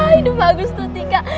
hidup bagus tuh tika